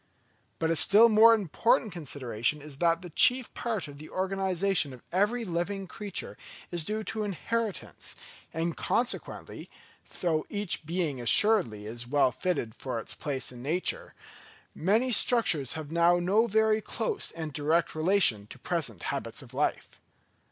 But a still more important consideration is that the chief part of the organisation of every living creature is due to inheritance; and consequently, though each being assuredly is well fitted for its place in nature, many structures have now no very close and direct relation to present habits of life.